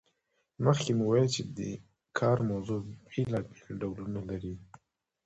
مخکې مو وویل چې د کار موضوع بیلابیل ډولونه لري.